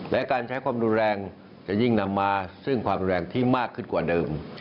และการใช้ความรุนแรงจะยิ่งนำมาซึ่งความรุนแรงที่มากขึ้นกว่าเดิม